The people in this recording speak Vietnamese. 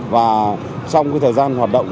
và trong thời gian hoạt động